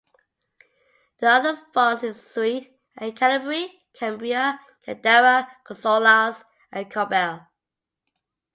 The other fonts in the suite are Calibri, Cambria, Candara, Consolas and Corbel.